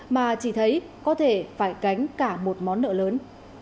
mà chỉ thấy có thể phải cánh cả một món nợ lớn